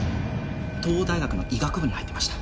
桐央大学の医学部に入ってました。